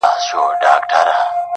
پاچا او ګدا-